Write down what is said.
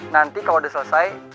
nanti kalo udah selesai